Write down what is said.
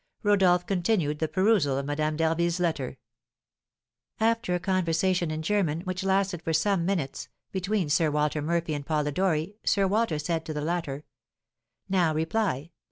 Rodolph continued the perusal of Madame d'Harville's letter: "After a conversation in German, which lasted for some minutes, between Sir Walter Murphy and Polidori, Sir Walter said to the latter, 'Now reply.